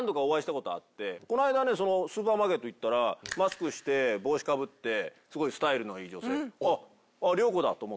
こないだそのスーパーマーケット行ったらマスクして帽子かぶってすごいスタイルのいい女性。